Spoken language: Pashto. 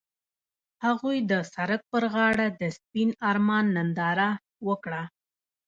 هغوی د سړک پر غاړه د سپین آرمان ننداره وکړه.